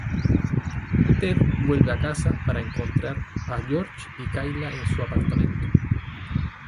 Ted vuelve a casa para encontrar a George y Kayla en su apartamento.